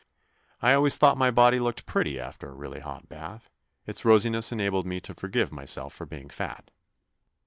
I always thought my body looked pretty after a really hot bath ; its rosi ness enabled me to forgive myself for being fat.